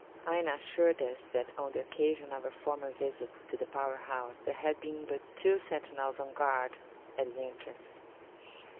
Aina assured us that on the occasion of her former visit to the power house there had been but two sentinels on guard at the entrance.